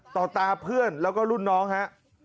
ต่อตาเพื่อนแล้วก็รุ่นน้องฮะ